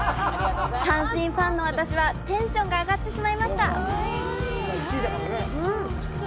阪神ファンの私はテンション上がっちゃいました。